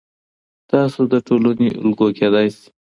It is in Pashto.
تاسو د ټولنې الګو کیدی سئ.